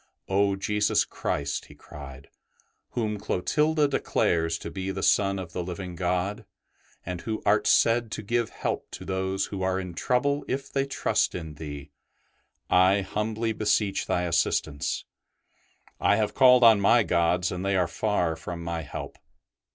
'' Oh, Jesus Christ," he cried, '' whom Clotilda declares to be the Son of the living God, and who art said to give help to those who are in trouble if they trust in Thee, I humbly beseech Thy assistance. 94 ST. BENEDICT I have called on my gods and they are far from my help.